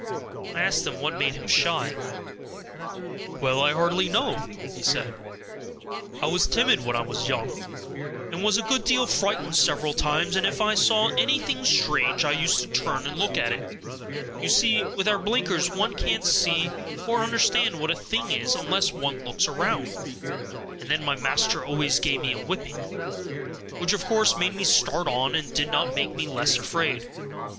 I asked him what made him shy. "Well, I hardly know," he said. "I was timid when I was young, and was a good deal frightened several times, and if I saw anything strange I used to turn and look at it you see, with our blinkers one can't see or understand what a thing is unless one looks round and then my master always gave me a whipping, which of course made me start on, and did not make me less afraid.